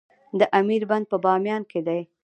د امیر بند په بامیان کې دی